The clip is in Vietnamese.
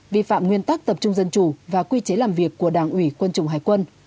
vi phạm nguyên tắc tập trung dân chủ và quy chế làm việc của đảng ủy quân chủng hải quân